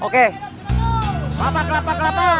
kelapa kelapa kelapa